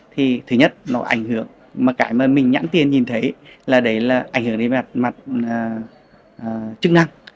thì thứ nhất nó ảnh hưởng mà cái mà mình nhắn tin nhìn thấy là đấy là ảnh hưởng đến mặt chức năng